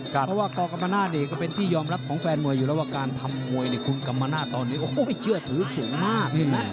เพราะว่ากรกรรมนาศนี่ก็เป็นที่ยอมรับของแฟนมวยอยู่แล้วว่าการทำมวยคุณกรรมนาศตอนนี้โอ้โหเชื่อถือสูงมากนี่นะ